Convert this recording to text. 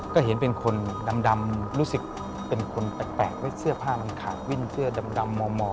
ก็เห็นเป็นคนดำรู้สึกเป็นคนแปลกเสื้อผ้ามันขาดวิ่นเสื้อดำมอ